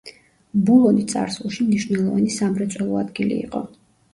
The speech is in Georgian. ბულონი წარსულში მნიშვნელოვანი სამრეწველო ადგილი იყო.